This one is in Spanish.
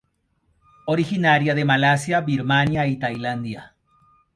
Originaria de Malasia, Birmania y Tailandia.